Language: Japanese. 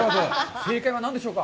正解は何でしょうか。